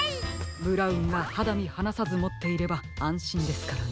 ブラウンがはだみはなさずもっていればあんしんですからね。